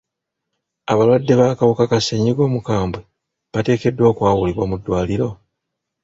Abalwadde b'akawuka ka ssenyiga omukambwe bateekeddwa okwawulibwa mu ddwaliro?